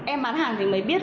em bán hàng thì mới biết